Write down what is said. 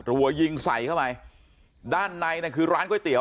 หัวหญิงใสเข้ามาด้านในนะคือร้านก๋วยเตี๋ยว